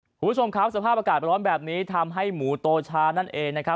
คุณผู้ชมครับสภาพอากาศร้อนแบบนี้ทำให้หมูโตชานั่นเองนะครับ